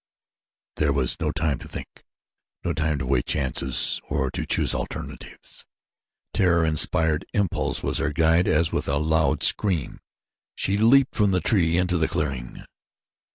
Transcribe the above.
There was no time to think, no time to weigh chances or to choose alternatives. Terror inspired impulse was her guide as, with a loud scream, she leaped from the tree into the clearing.